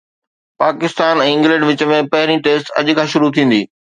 Pakistan ۽ England وچ ۾ پهرين test اڄ کان شروع ٿيندي